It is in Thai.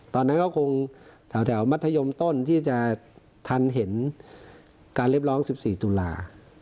ตอนนั้นก็คงแถวมัธยมต้นที่จะทันเห็นการเรียกร้อง๑๔ตุลา